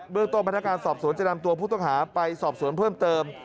เมืองต้นพนักการสอบสวนจะนำตัวผู้ต้องหาไปสอบสวนเพิ่มเติม